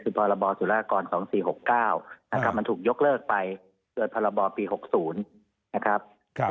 คือพลศ๒๔๖๙มันถูกยกเลิกไปเกิดพลปี๖๐นะครับ